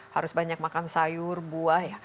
harus banyak makan sayur buah ya